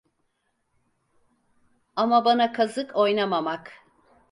Ama bana kazık oynamamak…